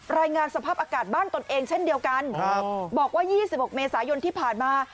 รายงานสภาพอากาศบ้านตนเองเช่นเดียวกันบอกว่า๒๖เมษายนที่ผ่านมา